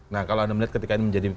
nah kalau anda melihat ketika ini menjadi